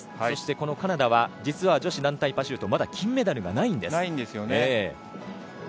そして、カナダは実は女子団体パシュートはまだ金メダルがないんです。